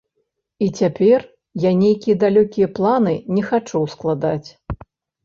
І цяпер я нейкія далёкі планы не хачу складаць.